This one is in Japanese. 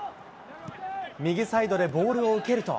右サイドでボールを受けると。